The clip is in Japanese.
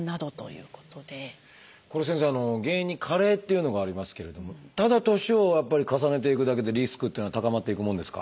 これ先生原因に加齢っていうのがありますけれどもただ年を重ねていくだけでリスクっていうのは高まっていくものですか？